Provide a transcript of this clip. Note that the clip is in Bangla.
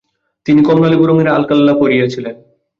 তিনি কমলালেবু রঙের আলখাল্লা পরিয়াছিলেন।